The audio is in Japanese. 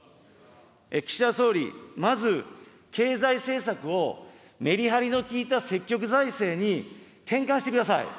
岸田総理、まず経済政策をメリハリの効いた積極財政に転換してください。